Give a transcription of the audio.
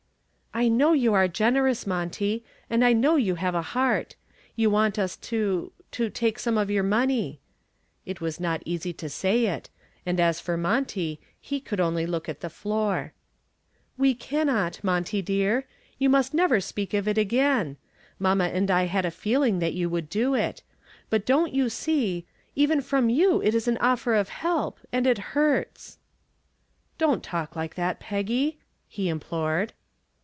"I know you are generous, Monty, and I know you have a heart. You want us to to take some of your money," it was not easy to say it, and as for Monty, he could only look at the floor. "We cannot, Monty, dear, you must never speak of it again. Mamma and I had a feeling that you would do it. But don't you see, even from you it is an offer of help, and it hurts." "Don't talk like that, Peggy," he implored.